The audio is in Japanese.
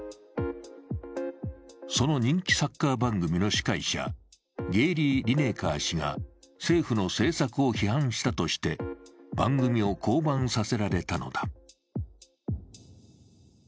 その人気サッカー番組の司会者、ゲーリー・リネカー氏が政府の政策を批判したとして番組を降板させられたのだ。